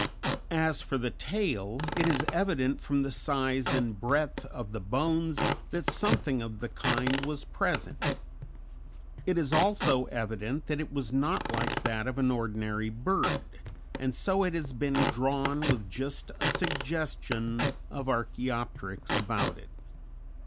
As for the tail, it is evident from the size and breadth of the bones that something of the kind was present; it is also evident that it was not like that of an ordinary bird, and so it has been drawn with just a suggestion of Archæopteryx about it.